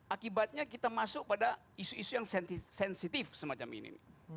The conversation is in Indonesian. akibatnya kita masuk pada isu isu yang sensitif semacam ini